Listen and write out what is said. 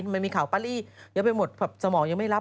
มันมีข่าวปารีเยอะไปหมดสมองยังไม่รับ